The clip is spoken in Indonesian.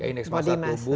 ya indeks masa tubuh